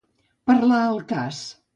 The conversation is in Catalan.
Parlar al cas.